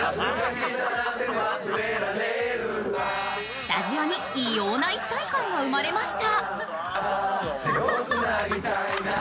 スタジオに異様な一体感が生まれました。